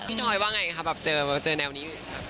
พี่ทอยว่าไงค่ะเจอแนวนี้